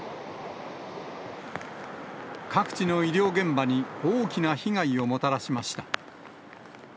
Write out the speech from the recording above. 各地の医療現場に大きな被害がもたらしました。